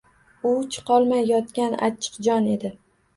U chiqolmay yotgan achchiq jon edi.